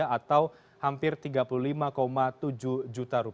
atau hampir rp tiga puluh lima tujuh juta